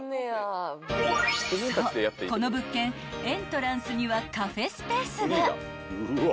［そうこの物件エントランスにはカフェスペースが］